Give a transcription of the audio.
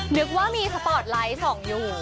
นึกว่ามีสปอร์ตไลท์ส่องอยู่